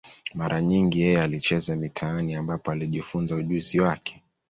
Mara nyingi yeye alicheza mitaani, ambapo alijifunza ujuzi wake.